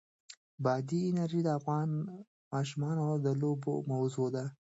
بادي انرژي د افغان ماشومانو د لوبو موضوع ده.